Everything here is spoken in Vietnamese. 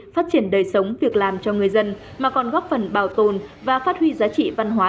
phát triển đời sống việc làm cho người dân mà còn góp phần bảo tồn và phát huy giá trị văn hóa